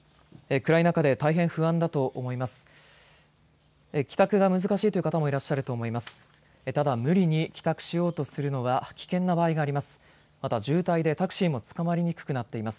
暗い中で大変不安だと思います。